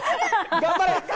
頑張れ！